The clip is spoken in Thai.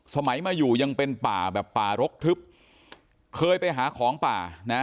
สมัยมาอยู่ยังเป็นป่าแบบป่ารกทึบเคยไปหาของป่านะ